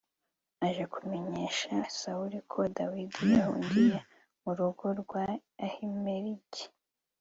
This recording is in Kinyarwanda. aje kumenyesha sawuli ko dawudi yahungiye mu rugo rwa ahimeleki